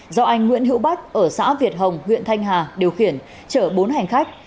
do anh nguyễn hữu bách ở xã việt hồng huyện thanh hà điều khiển chở bốn hành khách